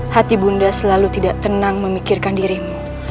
hati bunda selalu tidak tenang memikirkan dirimu